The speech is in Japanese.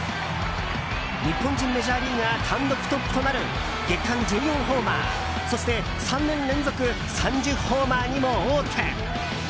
日本人メジャーリーガー単独トップとなる月間１４ホーマー、そして３年連続３０ホーマーにも王手。